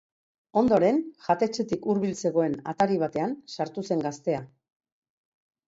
Ondoren jatetxetik hurbil zegoen atari batean sartu zen gaztea.